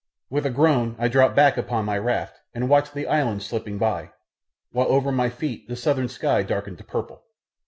With a groan I dropped back upon my raft and watched the islands slipping by, while over my feet the southern sky darkened to purple.